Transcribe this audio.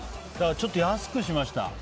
ちょっと安くしました。